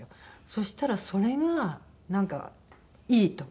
そしたらそれがなんかいいと。